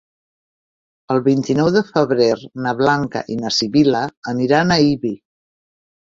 El vint-i-nou de febrer na Blanca i na Sibil·la aniran a Ibi.